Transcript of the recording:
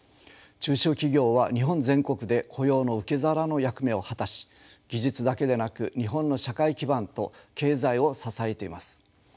中小企業は日本全国で雇用の受け皿の役目を果たし技術だけでなく日本の社会基盤と経済を支えています。